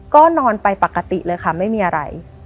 ก็นอนไปปกติเลยค่ะไม่มีอะไร